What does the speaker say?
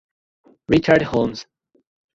Richard Holmes.